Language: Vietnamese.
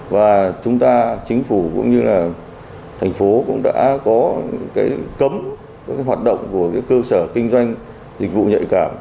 và chúng ta chính phủ cũng như là thành phố cũng đã có cái cấm hoạt động của cái cơ sở kinh doanh dịch vụ nhạy cảm